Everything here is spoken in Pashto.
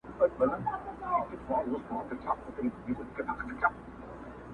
زه ، ته او سپوږمۍ~